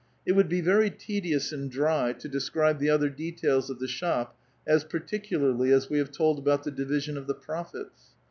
It would be very tedious and dry to describe the other details of the shop as particularly as we have told about the division of the profits.